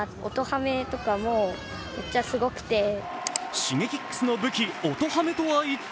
Ｓｈｉｇｅｋｉｘの武器、音ハメとは一体？